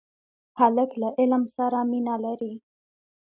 هلک له علم سره مینه لري.